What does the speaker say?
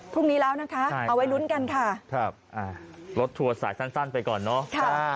พรุ่งนี้แล้วนะคะเอาไว้ลุ้นกันค่ะครับรถทัวร์สายสั้นไปก่อนเนาะ